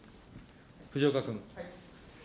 藤岡君。